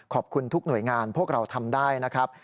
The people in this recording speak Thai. ขอบคุณทุกหน่วยงานพวกเราทำได้นะครับ